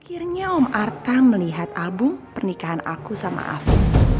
akhirnya om artha melihat album pernikahan aku sama afi